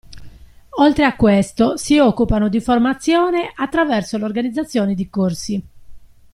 Oltre a questo si occupano di formazione attraverso l'organizzazione di corsi.